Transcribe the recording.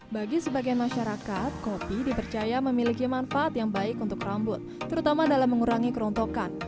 bagi sebagian masyarakat kopi dipercaya memiliki manfaat yang baik untuk rambut terutama dalam mengurangi kerontokan